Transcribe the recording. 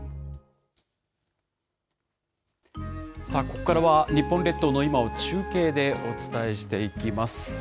ここからは、日本列島の今を中継でお伝えしていきます。